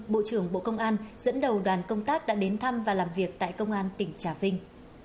bộ trưởng bộ công an dẫn đầu đoàn công tác đã đến thăm và làm việc tại công an tỉnh trà vinh